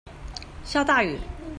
下大雨